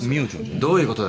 どういうことだよ。